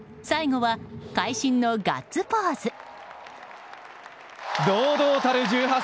最後は会心のガッツポーズ。